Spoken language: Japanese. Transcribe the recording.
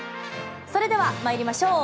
それでは参りましょう。